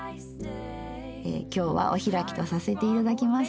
ええ今日はお開きとさせて頂きます。